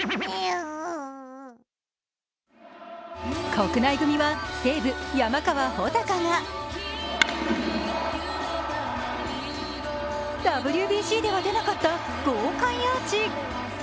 国内組は西武・山川穂高がＷＢＣでは出なかった豪快アーチ。